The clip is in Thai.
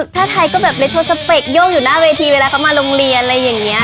ถ้าไทยก็แบบเล่นโทรสเปคโยกอยู่หน้าเวทีเวลาเขามาโรงเรียนอะไรอย่างนี้